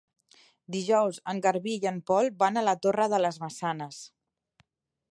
Dijous en Garbí i en Pol van a la Torre de les Maçanes.